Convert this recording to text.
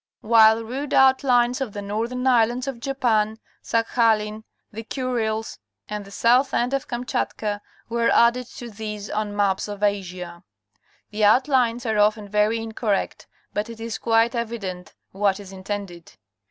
while rude outlines of the northern islands of Japan, Sakhalin, . the Kuriles and the south end of Kamchatka, were added to these on maps of Asia. The outlines are often very incorrect but it is quite evident what is intended.